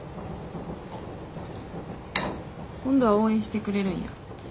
今度は応援してくれるんや。